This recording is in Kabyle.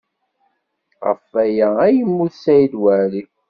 Ɣef waya ay yemmut Saɛid Waɛli.